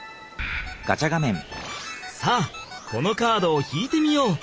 さあこのカードを引いてみよう！